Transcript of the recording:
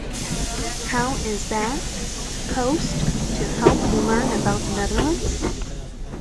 How is that supposed to help you learn about the Neanderthals?